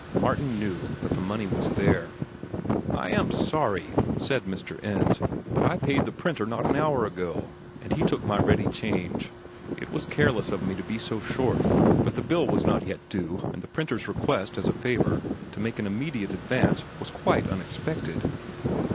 Martin knew that the money was there. "I am sorry," said Mr. Ends, "but I paid the printer not an hour ago, and he took my ready change. It was careless of me to be so short; but the bill was not yet due, and the printer's request, as a favor, to make an immediate advance, was quite unexpected."